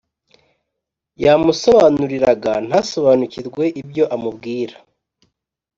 yamusobanuriraga ntasobanukirwe ibyo amubwira